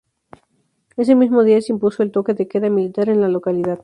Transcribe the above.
Ese mismo día se impuso el toque de queda militar en la localidad.